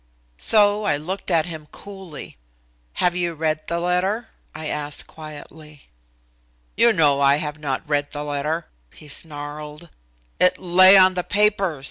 So I looked at him coolly. "Have you read the letter?" I asked quietly. "You know I have not read the letter." he snarled. "It lay on the papers.